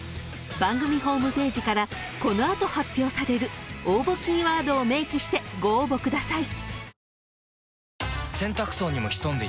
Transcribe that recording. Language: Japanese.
［番組ホームページからこの後発表される応募キーワードを明記してご応募ください］